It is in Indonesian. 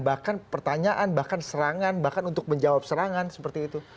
bahkan pertanyaan bahkan serangan bahkan untuk menjawab serangan seperti itu